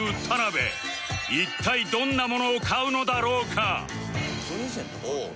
一体どんなものを買うのだろうか？